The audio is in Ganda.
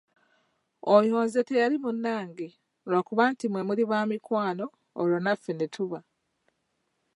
Oyo nze teyali na munnange, lwakuba nti mmwe muli baamukwano olwo naffe ne tuba!